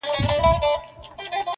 څه غزل څه قصیده وای-